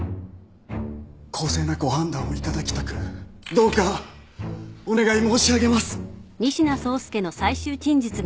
公正なご判断をいただきたくどうかお願い申し上げます。